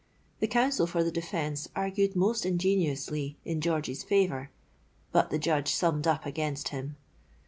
The counsel for the defence argued most ingeniously in George's favour; but the Judge summed up against him.